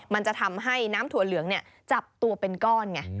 มันจะทำให้น้ำถั่วเหลืองจับตัวเป็นก้อนไง